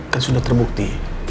kan sudah terbukti